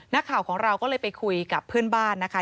นักข่าวของเราก็เลยไปคุยกับเพื่อนบ้านนะคะ